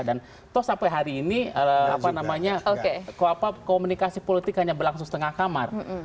dan tau sampai hari ini apa namanya komunikasi politik hanya berlangsung setengah kamar